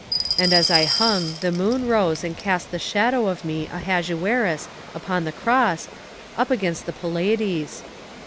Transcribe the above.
And as I hung the moon rose and cast the shadow of me Ahasuerus upon the cross, up against the Pleiades.